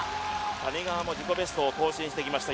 谷川も自己ベストを更新してきました。